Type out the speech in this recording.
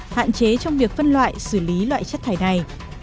hạn chế trong việc phân loại xử lý loại chất thải này